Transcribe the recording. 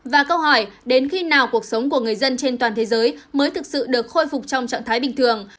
và câu hỏi đến khi nào cuộc sống của người dân trên toàn thế giới mới thực sự được khôi phục trong trạng thái bình thường